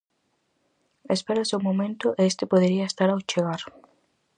Espera o seu momento e este podería estar ao chegar.